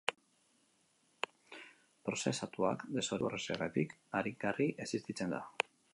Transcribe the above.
Prozesatuak desoreka desberdinak pairatzen ditu horrexegatik aringarri existitzen da.